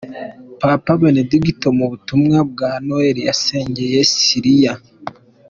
Papa Benedigito mu butumwa bwa Noheli yasengeye Siriya